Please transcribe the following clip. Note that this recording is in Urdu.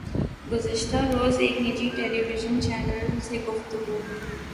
گزشتہ روز ایک نجی ٹیلی وژن چینل سے گفتگو